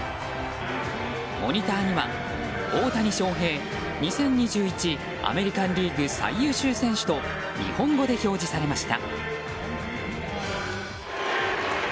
モニターには大谷翔平２０２１アメリカン・リーグ最優秀選手と日本語で表示されました。